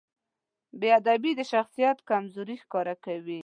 بېادبي د شخصیت کمزوري ښکاره کوي.